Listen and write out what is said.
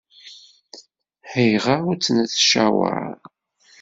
Ayɣer ur t-nettcawaṛ?